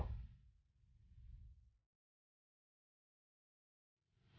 dia harus tanggung jawab